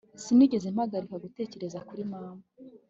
sinigeze mpagarika gutekereza kuri mama